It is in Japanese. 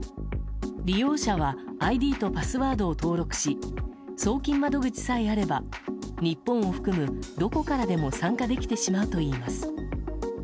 利用者はＩＤとパスワードを登録し送金窓口さえあれば日本を含むどこからでも参加できてしまうといいます。